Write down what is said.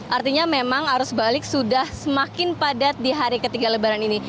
artinya memang arus balik sudah semakin padat di hari ketiga lebaran ini